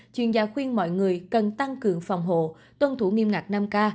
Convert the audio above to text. chuyên gia khuyên mọi người cần tăng cường phòng hộ tuân thủ nghiêm ngặt năm k